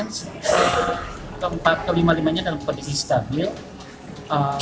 yang ibu ibu sudah pulang karena memang hanya rupanya sedikit